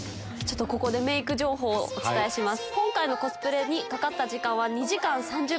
ここでメーク情報お伝えします。